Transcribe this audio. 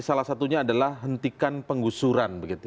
salah satunya adalah hentikan penggusuran